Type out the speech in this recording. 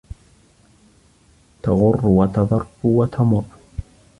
تَغُرُّ وَتَضُرُّ وَتَمُرُّ